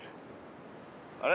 あれ？